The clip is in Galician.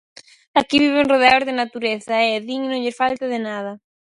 Aquí viven rodeados de natureza e, din, non lles falta de nada.